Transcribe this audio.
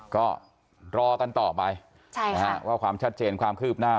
ก็รอกันต่อไปว่าความชัดเจนความคืบหน้า